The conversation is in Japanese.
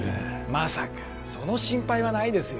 まさかその心配はないですよ